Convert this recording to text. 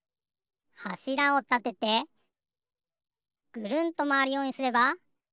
はしらをたててぐるんとまわるようにすれば。